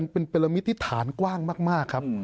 เป็นลมิตฐานกว้างมากครับ